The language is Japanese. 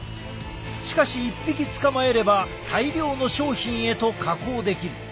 しかし１匹捕まえれば大量の商品へと加工できる。